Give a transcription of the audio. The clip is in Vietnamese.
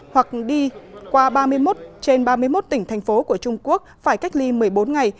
hoặc đi qua ba mươi một trên ba mươi một tỉnh thành phố của trung quốc phải cách ly một mươi bốn ngày